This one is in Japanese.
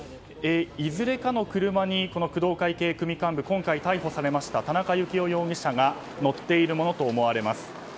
いずれかの車に、工藤会系組幹部今回、逮捕されました田中幸雄容疑者が乗っているものと思われます。